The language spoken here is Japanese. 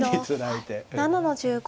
白７の十五。